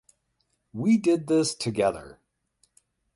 We did this together.